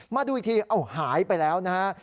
มาดูอีกทีเอาหายไปแล้วนะฮะ